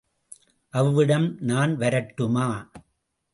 அவ்விடம் நான் வரட்டுமா?